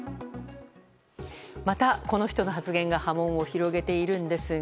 また、この人の発言が波紋を広げているんですが。